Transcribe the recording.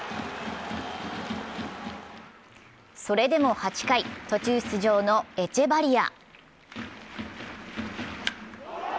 それでも８回、途中出場のエチェバリア。